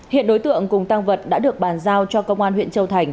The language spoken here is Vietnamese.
hiện đối tượng cùng tăng vật đã được bàn giao cho công an huyện châu thành